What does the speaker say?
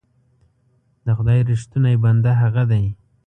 د خدای رښتونی بنده هغه دی.